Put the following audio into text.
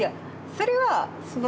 それはその